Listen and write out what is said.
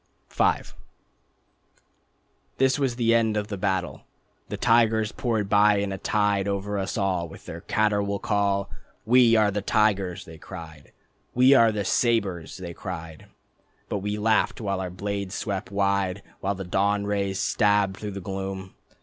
V This was the end of the battle. The tigers poured by in a tide Over us all with their caterwaul call, "We are the tigers," They cried. "We are the sabres," They cried. But we laughed while our blades swept wide, While the dawn rays stabbed through the gloom.